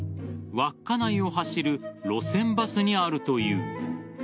稚内を走る路線バスにあるという。